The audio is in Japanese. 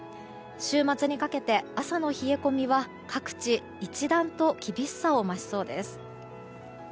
週末にかけて朝の冷え込みは各地一段と厳しさを増しそうです。